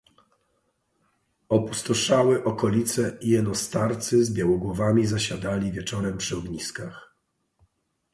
"Opustoszały „okolice“ i jeno starcy z białogłowami zasiadali wieczorem przy ogniskach."